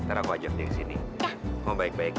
aduh achieving su jedi istri